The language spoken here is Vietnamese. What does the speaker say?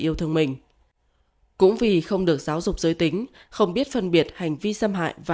yêu thương mình cũng vì không được giáo dục giới tính không biết phân biệt hành vi xâm hại và